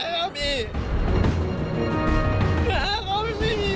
พี่ช่วยผมหน่อยนะอย่าให้สนิทของผมตรงนี้